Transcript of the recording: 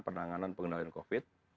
penanganan pengendalian covid